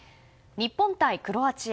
日本対クロアチア。